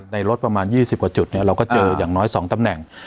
รถประมาณ๒๐กว่าจุดเราก็เจออย่างน้อย๒ตำแหน่ง